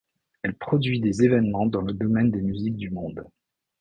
Elle produit des événements dans le domaine des musiques du monde.